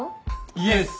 イエス！